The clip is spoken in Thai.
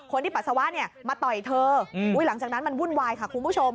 ปัสสาวะเนี่ยมาต่อยเธอหลังจากนั้นมันวุ่นวายค่ะคุณผู้ชม